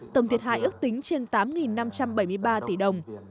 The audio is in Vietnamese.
tổng thiệt hại ước tính trên tám năm trăm bảy mươi ba tỷ đồng